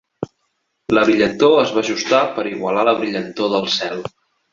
La brillantor es va ajustar per igualar la brillantor del cel.